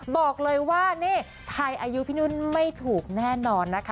บอกเลยว่านี่ไทยอายุพี่นุ่นไม่ถูกแน่นอนนะคะ